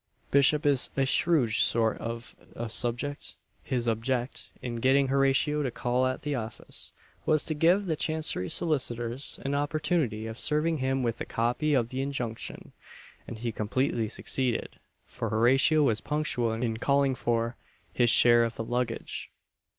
Bishop is a shrewd sort of a subject his object, in getting Horatio to call at the office, was to give the Chancery Solicitors an opportunity of serving him with a copy of the injunction; and he completely succeeded, for Horatio was punctual in calling for "his share of the luggage."